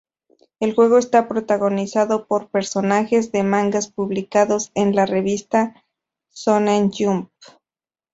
El juego está protagonizado por personajes de mangas publicados en la revista Shōnen Jump.